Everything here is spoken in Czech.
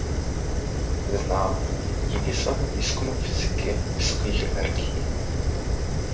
Je známý díky svému výzkumu fyziky vysokých energií.